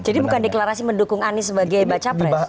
jadi bukan deklarasi mendukung anies sebagai baca press